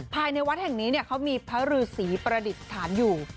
ภายในวัดแห่งนี้เขามีพระฤษีประดิษฐานอยู่